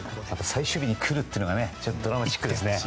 最終日にくるというのがドラマチックですね。